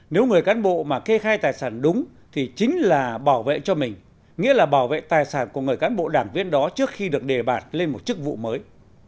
nếu người cán bộ mà kê khai tài sản đúng thì chính là bảo vệ cho mình nghĩa là bảo vệ tài sản của người cán bộ đảng viên đó trước khi được đề bạt lên một chức vụ mới